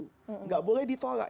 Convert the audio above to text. tidak boleh ditolak